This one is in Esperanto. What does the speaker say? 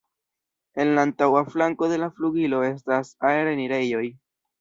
En la antaŭa flanko de la flugilo estas aer-enirejoj.